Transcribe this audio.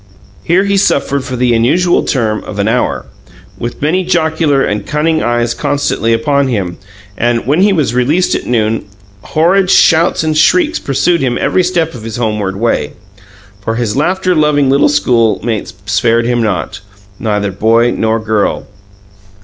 Here he suffered for the unusual term of an hour, with many jocular and cunning eyes constantly upon him; and, when he was released at noon, horrid shouts and shrieks pursued him every step of his homeward way. For his laughter loving little schoolmates spared him not neither boy nor girl.